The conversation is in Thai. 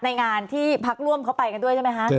ในงานที่พักร่วมเขาไปกันด้วยใช่ไหมคะ